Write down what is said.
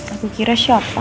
aku kira siapa